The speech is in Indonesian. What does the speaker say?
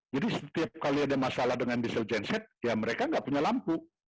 jadi setiap kali ada masalah dengan diesel genset ya mereka gak punya lampu